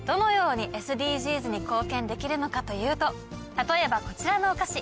例えばこちらのお菓子。